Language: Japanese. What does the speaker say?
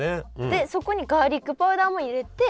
でそこにガーリックパウダーも入れて。